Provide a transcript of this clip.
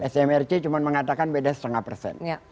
smrc cuma mengatakan beda setengah persen